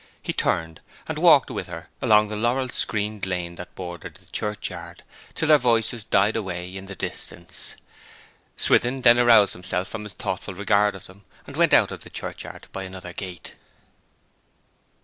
He turned, and walked with her along the laurel screened lane that bordered the churchyard, till their voices died away in the distance. Swithin then aroused himself from his thoughtful regard of them, and went out of the churchyard by another gate.